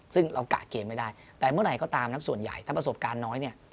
ซึ่งเรากะเกมไม่ได้แต่เมื่อไหร่ก็ตามนะส่วนใหญ่ถ้าประสบการณ์น้อยเนี่ย